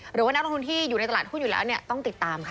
หรือว่านักลงทุนที่อยู่ในตลาดหุ้นอยู่แล้วเนี่ยต้องติดตามค่ะ